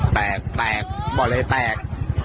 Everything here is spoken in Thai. แปลกแปลกบ่เลยแปลก